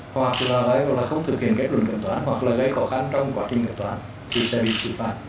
hoặc là không thực hiện kết luận kiểm toán hoặc là gây khó khăn trong quá trình kiểm toán thì sẽ bị xử phạt